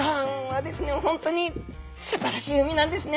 本当にすばらしい海なんですね。